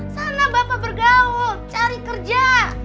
sana bapak bergaul cari kerja